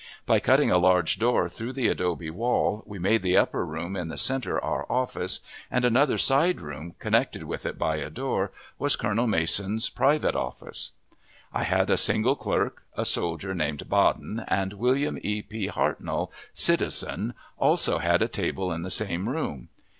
By cutting a large door through the adobe wall, we made the upper room in the centre our office; and another side room, connected with it by a door, was Colonel Mason's private office. I had a single clerk, a soldier named Baden; and William E. P. Hartnell, citizen, also had a table in the same room.